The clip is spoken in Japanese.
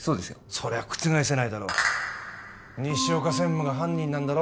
そりゃ覆せないだろ西岡専務が犯人なんだろ？